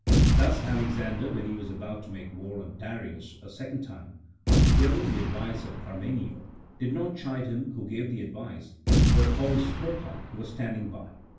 Thus Alexander, when he was about to make war on Darius, a second time, after hearing the advice of Parmenio, did not chide him who gave the advice, but Polysperchon, who was standing by.